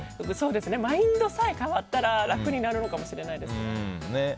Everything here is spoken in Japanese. マインドさえ変わったら楽になるのかもしれない。